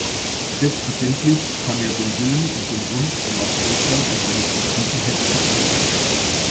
Selbstverständlich kann er den Willen und den Wunsch danach äußern und seine Zufriedenheit bekunden.